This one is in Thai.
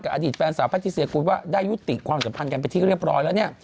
กับอดีตแฟนสาวพัทธิเซียกุ๊ดว่าได้ยุติความสัมพันธ์กันไปที่เรียบร้อยแล้ว